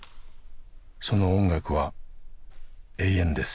その音楽は永遠です。